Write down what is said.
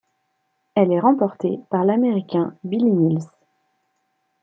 Elle est remportée par l'Américain Billy Mills.